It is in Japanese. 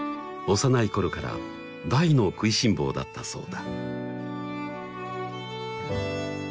幼い頃から大の食いしん坊だったそうだ